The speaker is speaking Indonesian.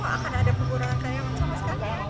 akan ada pengurangan karyawan sama sekali ya